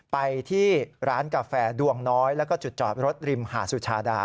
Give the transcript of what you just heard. ไปที่ร้านกาแฟดวงน้อยแล้วก็จุดจอดรถริมหาดสุชาดา